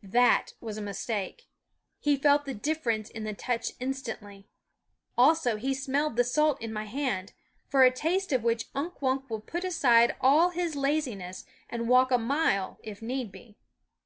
fe//OW*S That was a mistake. He felt the differ ence in the touch instantly. Also he smelled the salt in my hand, for a taste of which Unk Wunk will put aside all his laziness and walk a mile, if need be.